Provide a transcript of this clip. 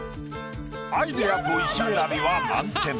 アイディアと石選びは満点。